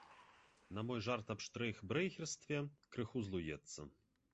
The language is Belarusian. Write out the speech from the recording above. На мой жарт аб штрэйкбрэхерстве крыху злуецца.